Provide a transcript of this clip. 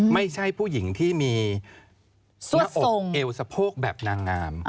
ไม่ใช่ผู้หญิงที่มีหน้าอกเอวสะโพกแบบนางงาม